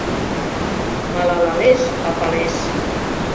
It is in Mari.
Малалалеш, папалеш!